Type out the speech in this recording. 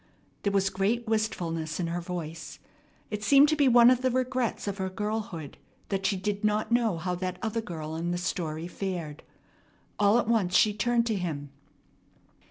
There was great wistfulness in her voice. It seemed to be one of the regrets of her girlhood that she did not know how that other girl in the story fared. All at once she turned to him.